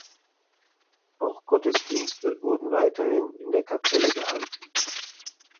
Auch Gottesdienste wurden weiterhin in der Kapelle gehalten.